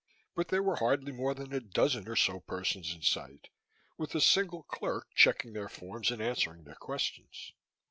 But there were hardly more than a dozen or so persons in sight, with a single clerk checking their forms and answering their questions.